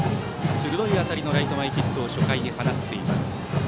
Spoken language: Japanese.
鋭い当たりのライト前ヒットを初回に放っています。